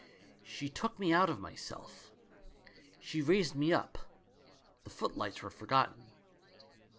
She took me out of myself. She raised me up. The footlights were forgotten.